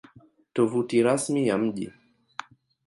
Tovuti Rasmi ya Mji